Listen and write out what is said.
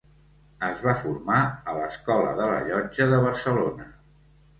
Es va formar a l'Escola de la Llotja de Barcelona.